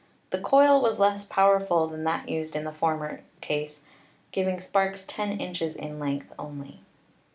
The coil was less powerful than that used in the former case, giving sparks 10 inches in length only.